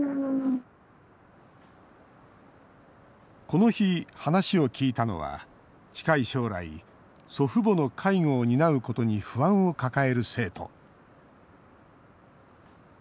この日、話を聞いたのは近い将来祖父母の介護を担うことに不安を抱える生徒。